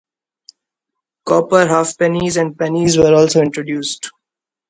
Copper halfpennies and pennies were also introduced.